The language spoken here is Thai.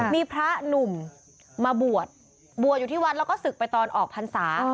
มีพระหนุ่มมาบวชบวชอยู่ที่วัดแล้วก็ศึกไปตอนออกพรรษา